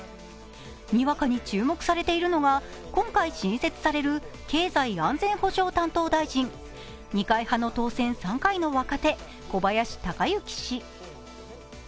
にわかに注目されているのが、今回新設される経済安全保障担当大臣、二階派の当選３回の若手、小林鷹之氏。